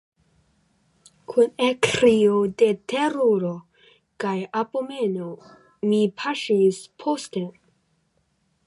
Kun ekkrio de teruro kaj abomeno mi paŝis posten.